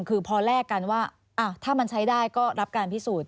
คือพอแลกกันว่าถ้ามันใช้ได้ก็รับการพิสูจน์